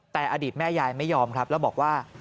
แต่อดีตแม่ยายไม่ยอมครับแล้วบอกว่า